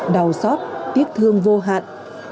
đau xót tiếc thương vô hạn